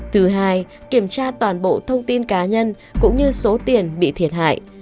thứ hai kiểm tra toàn bộ thông tin cá nhân cũng như số tiền bị thiệt hại